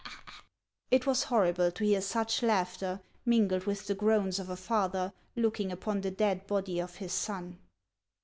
It was horrible to hear such laughter mingled with the groans of a father looking upon the dead body of his sou.